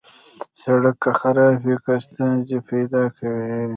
سړک که خراب وي، ستونزې پیدا کوي.